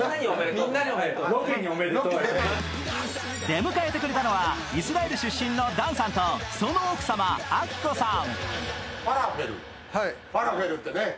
出迎えてくれたのはイスラエル出身のダンさんとその奥様、明子さん。